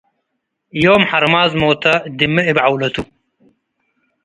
ዮም ሐርማዝ ሞተ - ድሜ እብ ዐውለቱ